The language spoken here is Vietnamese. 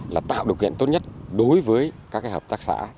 là tạo điều kiện tốt nhất đối với các hợp tác xã